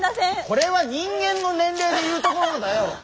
これは人間の年齢でいうところだよ。